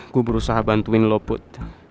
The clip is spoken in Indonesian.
gue berusaha bantuin lo put